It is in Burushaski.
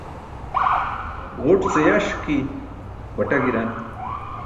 Ġuṭ ce yaṣki baṭa gi̇ran.